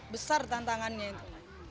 besar tantangannya itu